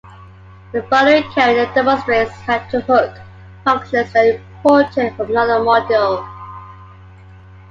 The following code demonstrates how to hook functions that are imported from another module.